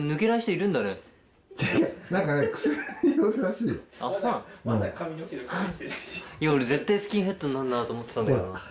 いや俺絶対スキンヘッドになるなと思ってたんだけどな。